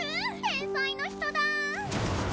天才の人だ！